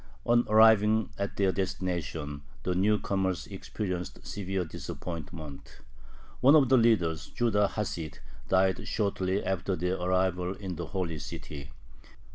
On arriving at their destination the new comers experienced severe disappointment. One of the leaders, Judah Hasid, died shortly after their arrival in the Holy City.